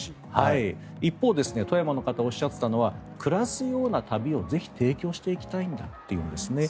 一方で、富山の方がおっしゃっていたのは暮らすような旅をぜひ提供していきたいんだと。